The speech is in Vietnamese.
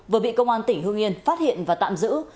ngoan tỉnh hương yên phát hiện và tạm giữ